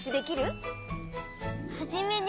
「はじめに」